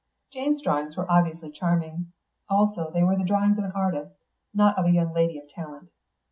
Jane's drawings were obviously charming; also they were the drawings of an artist, not of a young lady of talent.